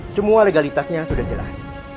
semua legalitasnya sudah jelas